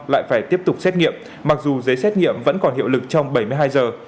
lại phải tiếp tục xét nghiệm mặc dù giấy xét nghiệm vẫn còn hiệu lực trong bảy mươi hai giờ